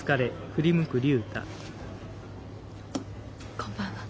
こんばんは。